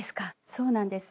そうなんです。